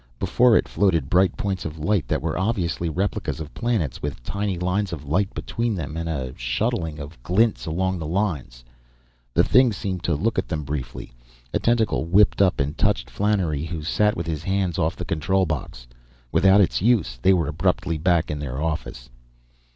Before it floated bright points of light that were obviously replicas of planets, with tiny lines of light between them, and a shuttling of glints along the lines. The thing seemed to look at them, briefly. A tentacle whipped up and touched Flannery, who sat with his hands off the control box. Without its use, they were abruptly back in their office.